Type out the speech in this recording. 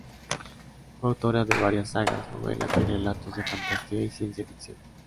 Fue autora de varias sagas, novelas y relatos de fantasía y ciencia ficción.